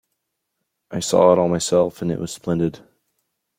I saw it all myself, and it was splendid.